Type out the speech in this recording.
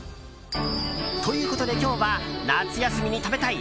ということで、今日は夏休みに食べたい！